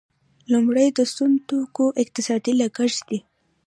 لومړی د سون توکو اقتصادي لګښت دی.